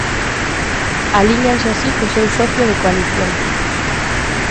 Alíñanse así co seu socio de coalición.